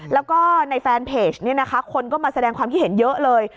แล้วก็ในแฟนเพจเนี่ยนะคะคนก็มาแสดงความคิดเห็นเยอะเลย